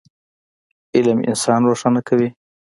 علم انسان روښانه کوي.